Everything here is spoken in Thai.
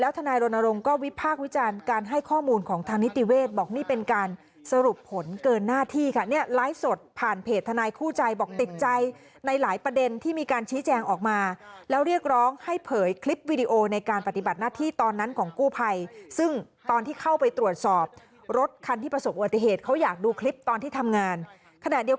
บอกว่าการแสดงความคิดเห็นในมุมของทนบอกว่าการแสดงความคิดเห็นในมุมของทนบอกว่าการแสดงความคิดเห็นในมุมของทนบอกว่าการแสดงความคิดเห็นในมุมของทนบอกว่าการแสดงความคิดเห็นในมุมของทนบอกว่าการแสดงความคิดเห็นในมุมของทนบอกว่าการแสดงความคิดเห็นในมุมของทนบอกว่